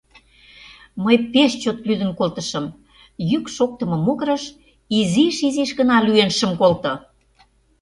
Мый пеш чот лӱдын колтышым, йӱк шоктымо могырыш изиш-изиш гына лӱен шым колто.